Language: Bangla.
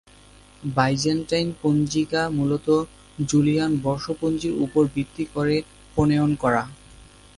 বাইজেন্টাইন পঞ্জিকা মুলত জুলিয়ান বর্ষপঞ্জীর উপর ভিত্তি করে প্রণয়ন করা।